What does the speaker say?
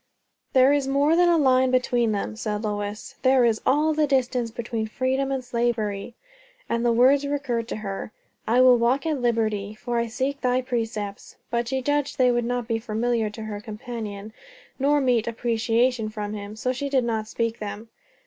"There is more than a line between them," said Lois. "There is all the distance between freedom and slavery." And the words recurred to her, "I will walk at liberty, for I seek thy precepts;" but she judged they would not be familiar to her companion nor meet appreciation from him, so she did not speak them.